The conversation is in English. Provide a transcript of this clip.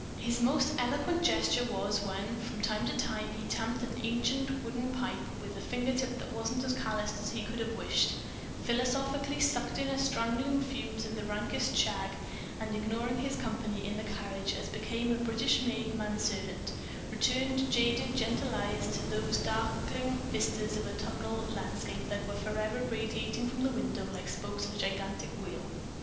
His most eloquent gesture was when, from time to time, he tamped an ancient wooden pipe with a fingertip that wasn't as calloused as he could have wished, philosophically sucked in strangling fumes of rankest shag and, ignoring his company in the carriage as became a British made manservant, returned jaded, gentle eyes to those darkling vistas of autumnal landscape that were forever radiating away from the window like spokes of a gigantic wheel.